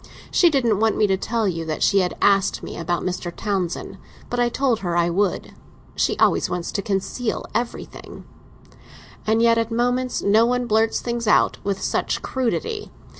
"She didn't want me to tell you that she had asked me about Mr. Townsend; but I told her I would. She always wants to conceal everything." "And yet at moments no one blurts things out with such crudity.